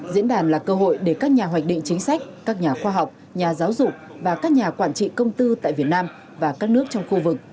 diễn đàn là cơ hội để các nhà hoạch định chính sách các nhà khoa học nhà giáo dục và các nhà quản trị công tư tại việt nam và các nước trong khu vực